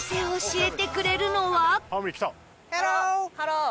ハロー！